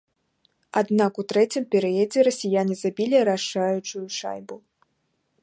Аднак у трэцім перыядзе расіяне забілі рашаючую шайбу.